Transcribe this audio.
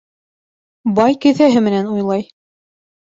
Бай кеҫәһе менән уйлай.